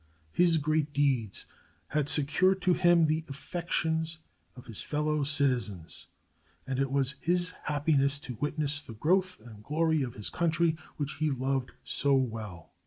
His great deeds had secured to him the affections of his fellow citizens, and it was his happiness to witness the growth and glory of his country, which he loved so well.